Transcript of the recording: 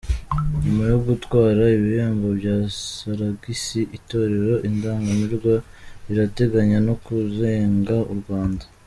Nyuma yo gutwara Ibihembo Bya Salagisi Itorero Indangamirwa rirateganya no kurenga u Rwanda